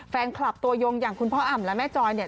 แฟนคลับตัวยงอย่างคุณพ่ออ่ำและแม่จอยเนี่ย